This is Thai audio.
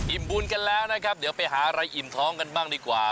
บุญกันแล้วนะครับเดี๋ยวไปหาอะไรอิ่มท้องกันบ้างดีกว่า